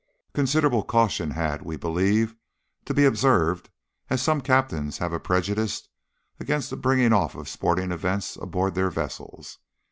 Considerable caution had, we believe, to be observed, as some captains have a prejudice against the bringing off of sporting events aboard their vessels.